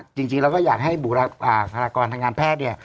จริงเราก็อยากให้บุคลากรทางการแพทย์เนี่ย